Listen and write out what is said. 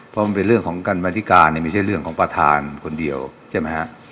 เพราะมันเป็นเรื่องของการบริการเนี่ยไม่ใช่เรื่องของประธานคนเดียวใช่ไหมฮะ